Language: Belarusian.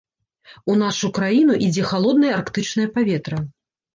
У нашу краіну ідзе халоднае арктычнае паветра.